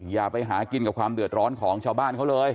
อย่าไปหากินกับความเดือดร้อนของชาวบ้านเขาเลย